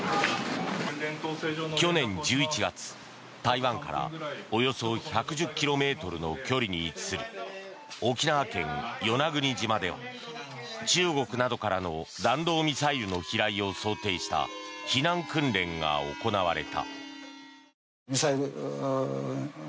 去年１１月台湾からおよそ１１０ｋｍの距離に位置する沖縄県・与那国島では中国などからの弾道ミサイルの飛来を想定した避難訓練が行われた。